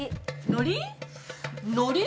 のり？